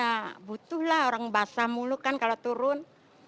ya butuh lah orang basah muluk kan kalau turun